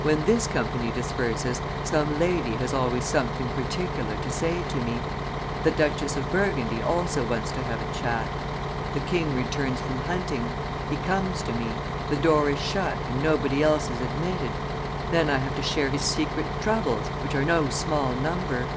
When this company disperses, some lady has always something particular to say to me; the Duchess of Burgundy also wants to have a chat. The king returns from hunting. He comes to me. The door is shut, and nobody else is admitted. Then I have to share his secret troubles, which are no small number.